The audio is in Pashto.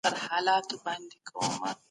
ځينو پوهانو پرمختيا او وده مترادف وبلل.